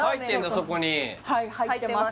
そこにはい入ってます